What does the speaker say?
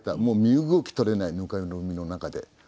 もう身動き取れない泥濘の中で。